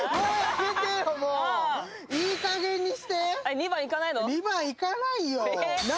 ２番いかないの？